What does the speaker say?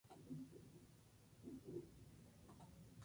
La comuna está situada en el norte de la isla guadalupana de Basse-Terre.